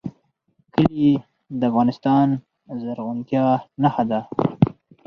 کلي د افغانستان د زرغونتیا نښه ده.